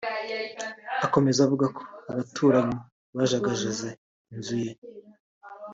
Akomeza avuga ko abaturanyi bajagajaze inzu ye